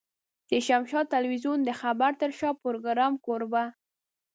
د شمشاد ټلوېزيون د خبر تر شا پروګرام کوربه.